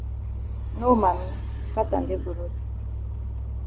No mami Satan dey for road.